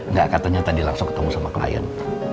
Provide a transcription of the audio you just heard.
nggak katanya tadi langsung ketemu sama klien